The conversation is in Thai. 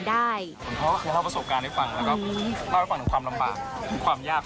แล้วจากประสบการณ์บทเรียนที่คุณพ่อเคยทำมา